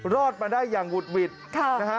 รอดมาได้อย่างหุดหวิดนะฮะ